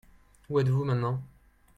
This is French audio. Où êtes-vous maintenant ?